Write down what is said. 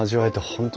本当